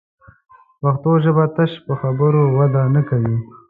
پښتو ژبه تش په خبرو وده نه کوي